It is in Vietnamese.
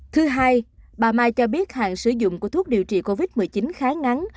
thứ hai bà mai cho biết hàng sử dụng của thuốc điều trị covid một mươi chín khá ngắn